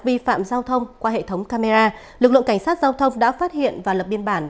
vi phạm giao thông qua hệ thống camera lực lượng cảnh sát giao thông đã phát hiện và lập biên bản